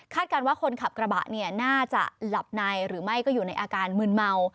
การว่าคนขับกระบะเนี่ยน่าจะหลับในหรือไม่ก็อยู่ในอาการมืนเมา